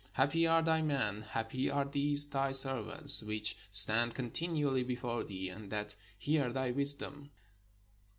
Happy are thy men, happy are these thy servants, which stand continually before thee, and that hear thy wisdom.